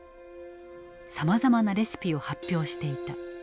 さまざまなレシピを発表していた。